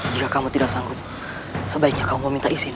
jika kamu tidak sanggup sebaiknya kamu minta izin